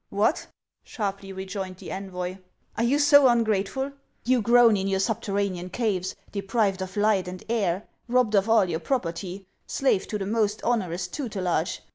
" What !" sharply rejoined the envoy ;" are you so un grateful ? You groan in your subterranean caves, deprived of light and air, robbed of all your property, slaves to the most onerous tutelage